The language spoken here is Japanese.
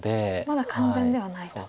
まだ完全ではないと。